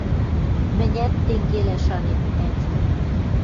«Мӹнят тенгелӓ шанем, ӓти, —